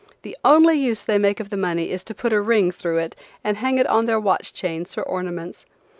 The only use they make of the money is to put a ring through it and hang it on their watch chains for ornaments.